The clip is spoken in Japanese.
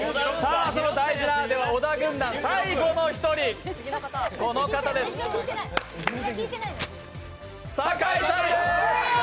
その大事な小田軍団最後の１人、この方です、酒井さんです！